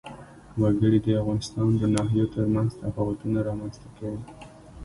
وګړي د افغانستان د ناحیو ترمنځ تفاوتونه رامنځ ته کوي.